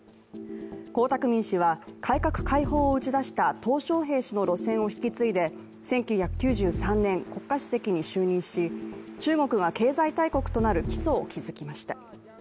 江沢民氏は、改革開放を打ち出したトウ小平氏の路線を引き継いで１９９３年、国家主席に就任し中国が経済大国となる基礎を築きました。